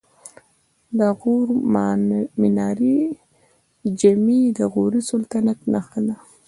د غور منارې جمعې د غوري سلطنت نښه ده